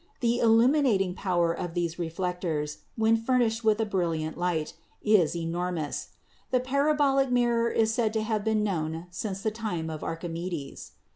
The illuminating power of these re flectors, when furnished with a brilliant light, is enor mous. The parabolic mirror is said to have been known since the time of Archimedes.